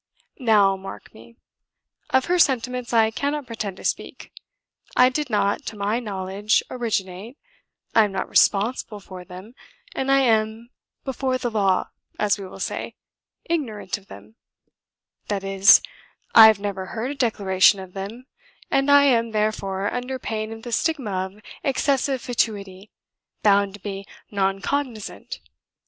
Now, mark me; of her sentiments I cannot pretend to speak; I did not, to my knowledge, originate, I am not responsible for them, and I am, before the law, as we will say, ignorant of them; that is, I have never heard a declaration of them, and I, am, therefore, under pain of the stigma of excessive fatuity, bound to be non cognizant.